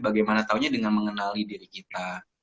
bagaimana taunya dengan mengenali diri kita